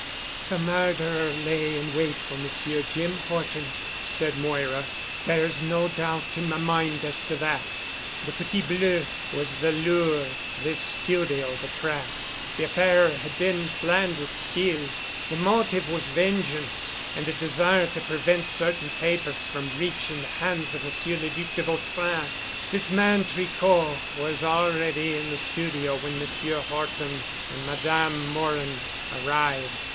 "The murderer lay in wait for Monsieur Jim Horton," said Moira. "There is no doubt in my mind as to that. The Petit Bleu was the lure, this studio the trap. The affair had been planned with skill. The motive was vengeance, and a desire to prevent certain papers from reaching the hands of Monsieur le Duc de Vautrin. This man Tricot was already in the studio when Monsieur Horton and Madame Morin arrived.